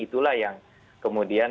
itulah yang kemudian